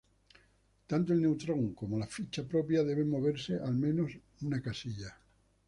Tanto el Neutrón como la ficha propia deben moverse al menos una casilla.